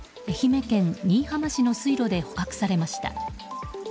愛媛県新居浜市の水路で捕獲されました。